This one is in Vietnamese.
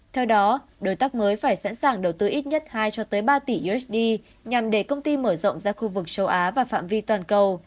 theo đó đối tác mới phải sẵn sàng đầu tư ít nhất hai cho tới ba tỷ usd nhằm để công ty mở rộng ra khu vực châu á và phạm vi toàn cầu